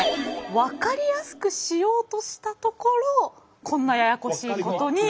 分かりやすくしようとしたところこんなややこしいことになってしまった。